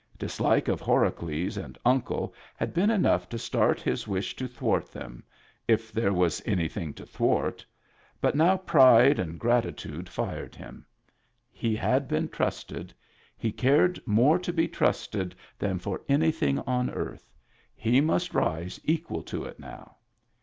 Dislike of Horacles and Uncle had been enough to start his wish to thwart them — if there was anything to thwart ; but now pride and gratitude Digitized by Google 44 MEMBERS OF THE FAMILY fired him; he had been trusted; he cared more to be trusted than for anything on earth; he must rise equal to it now